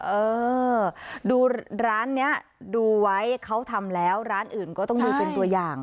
เออดูร้านนี้ดูไว้เขาทำแล้วร้านอื่นก็ต้องดูเป็นตัวอย่าง